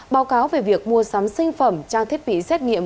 báo cáo về việc mua sắm sinh phẩm trang thiết bị xét nghiệm